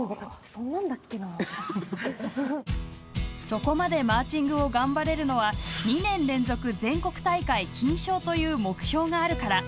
そこまでマーチングを頑張れるのは２年連続全国大会金賞という目標があるから。